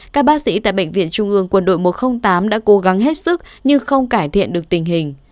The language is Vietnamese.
các bác sĩ tại bệnh viện trung ương quân đội một trăm linh tám đã cố gắng hết sức nhưng không cải thiện được tình hình